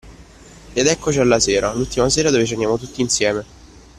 Ed eccoci alla sera, l’ultima sera dove ceniamo tutti insieme